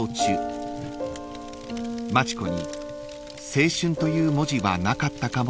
［町子に青春という文字はなかったかもしれない］